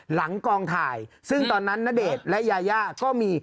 หลังกองถ่ายซึ่งตอนนั้นณเดชน์และยายาก็มี